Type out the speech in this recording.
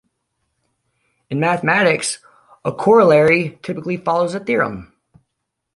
In mathematics a corollary typically follows a theorem.